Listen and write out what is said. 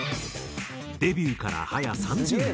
デビューからはや３０年。